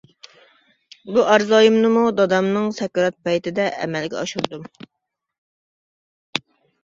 بۇ ئارزۇيۇمنىمۇ دادامنىڭ سەكرات پەيتىدە ئەمەلگە ئاشۇردۇم.